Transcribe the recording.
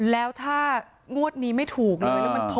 แล้วถ้างวดนี้ไม่ถูกเลย